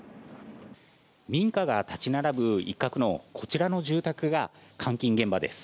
民家が立ち並ぶ一角のこちらの住宅が監禁現場です。